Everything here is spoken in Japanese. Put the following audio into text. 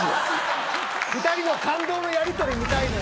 ２人の感動のやり取り見たいねん。